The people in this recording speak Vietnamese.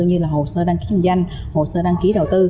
như là hồ sơ đăng ký kinh doanh hồ sơ đăng ký đầu tư